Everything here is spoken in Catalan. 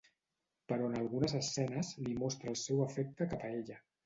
Però en algunes escenes li mostra el seu afecte cap a ella.